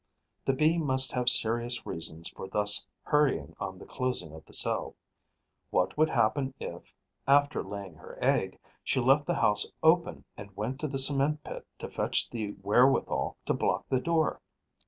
The Bee must have serious reasons for thus hurrying on the closing of the cell. What would happen if, after laying her egg, she left the house open and went to the cement pit to fetch the wherewithal to block the door?